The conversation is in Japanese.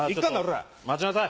待ちなさい。